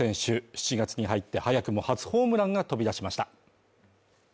７月に入って早くも初ホームランが飛び出しました。